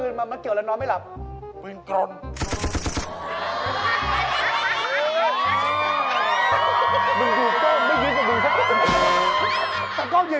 ทุเรียนกวนก็มี